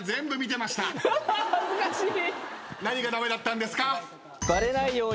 恥ずかしい！